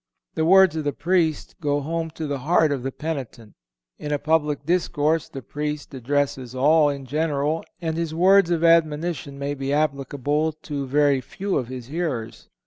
The words of the Priest go home to the heart of the penitent. In a public discourse the Priest addresses all in general, and his words of admonition may be applicable to very few of his hearers.